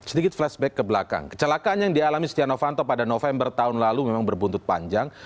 sedikit flashback ke belakang kecelakaan yang dialami setia novanto pada november tahun lalu memang berbuntut panjang